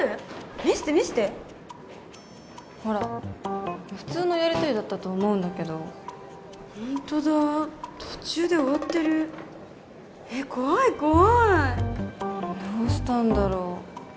見せて見せてほら普通のやりとりだったと思うんだけどホントだ途中で終わってるえっ怖い怖いどうしたんだろう